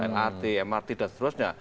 lrt mrt dan seterusnya